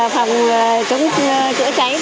phòng chống chữa cháy